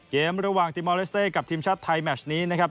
เกมระหว่างติมอลเลสเต้กับทีมชาติไทยแมชนี้นะครับ